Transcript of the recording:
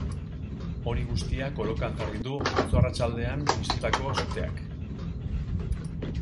Hori guztia kolokan jarri du atzo arratsaldean piztutako suteak.